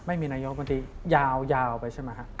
ไม่มีนายกรมดบรรทียาวไปใช่ไหม